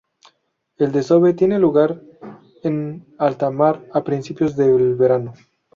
El desove tiene lugar en alta mar a principios del verano.